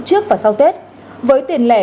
trước và sau tết với tiền lẻ